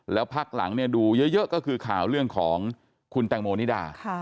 แล้วพักหลังดูเยอะก็คือข่าวเรื่องของคุณแตงโมนิดา